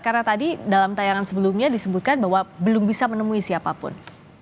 karena tadi dalam tayangan sebelumnya disebutkan bahwa belum bisa menemui siapapun